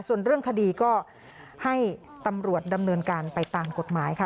ส่วนเรื่องคดีก็ให้ตำรวจดำเนินการไปตามกฎหมายค่ะ